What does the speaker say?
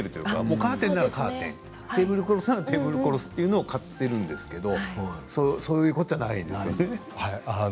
カーテンはカーテンテーブルクロスはテーブルクロスを買っているんですけれどそういうことじゃないですね。